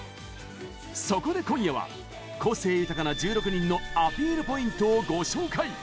そこで今夜は個性豊かな１６人のアピールポイントをご紹介。